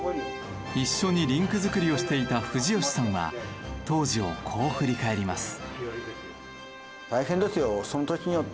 一緒にリンク作りをしていた藤吉さんは当時をこう振り返ります。